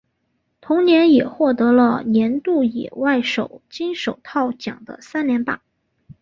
同年也获得了年度外野手金手套奖的三连霸。